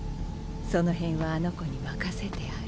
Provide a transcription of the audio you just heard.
そのへんはあの子に任せてある。